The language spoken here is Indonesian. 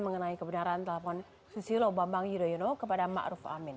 mengenai kebenaran telepon susilo bambang yudhoyono kepada ma'ruf amin